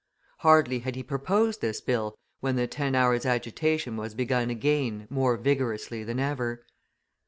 Hardly had he proposed this bill, when the ten hours' agitation was begun again more vigorously than ever.